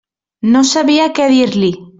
No sabia què dir-li.